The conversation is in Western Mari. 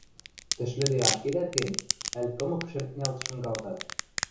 тышлӹде ашкедӓт гӹнь, ӓль кымык шӹртнялт шынгалтат